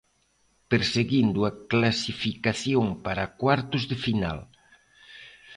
Perseguindo a clasificación para cuartos de final.